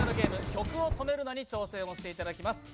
「曲を止めるな！」に挑戦をしていただきます。